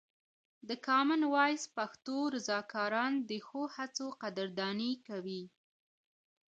د کامن وایس پښتو رضاکاران د ښو هڅو قدرداني کوي.